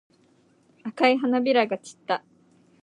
赤い花びらが散った。